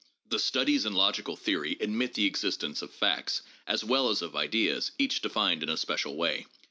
The "Studies in Logical Theory" admits the existence of facts as well as of ideas, each defined in a special way.